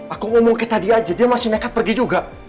aku ngomong ke tadi aja dia masih nekat pergi juga